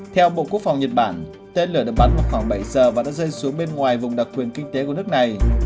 theo bộ quốc phòng nhật bản tên lửa được bắn vào khoảng bảy giờ và đã rơi xuống bên ngoài vùng đặc quyền kinh tế của nước này